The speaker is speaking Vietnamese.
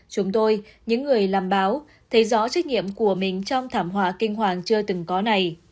chúng tôi những người làm báo thấy rõ trách nhiệm của mình trong thảm họa kinh hoàng chưa từng có này